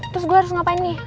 terus gue harus ngapain nih